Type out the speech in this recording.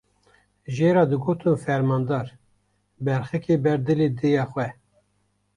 Jê re digotin fermandar, berxikê ber dilê dêya xwe.